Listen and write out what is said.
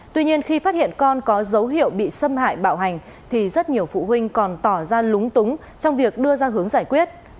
tuy nhiên khi phát hiện con có dấu hiệu bị xâm hại bạo hành thì rất nhiều phụ huynh còn tỏ ra lúng túng trong việc đưa ra hướng giải quyết